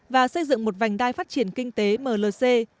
và xây dựng một vành đai phát triển kinh tế mlc